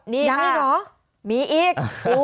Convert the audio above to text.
นี่ค่ะมีอีก